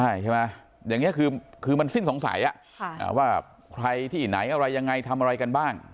ใช่ใช่ไหมอย่างนี้คือมันสิ้นสงสัยว่าใครที่ไหนอะไรยังไงทำอะไรกันบ้าง